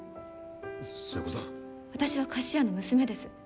私は菓子屋の娘です。